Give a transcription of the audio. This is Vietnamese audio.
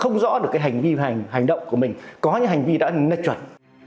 không rõ được hành vi và hành động của mình có những hành vi đã nét chuẩn